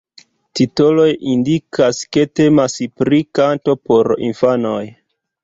Titoloj indikas, ke temas pri kanto por infanoj.